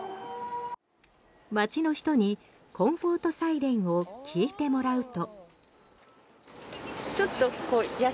街の人にコンフォート・サイレンを聞いてもらうと。